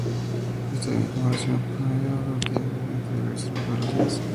Esta estimación es un promedio obtenido mediante diversas metodologías.